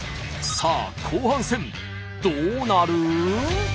さあ後半戦どうなる？